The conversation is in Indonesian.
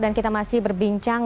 dan kita masih berbincang